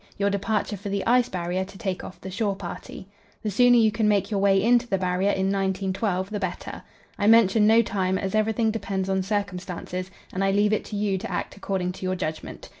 Your departure for the Ice Barrier to take off the shore party. The sooner you can make your way in to the Barrier in 1912, the better. I mention no time, as everything depends on circumstances, and I leave it to you to act according to your judgment.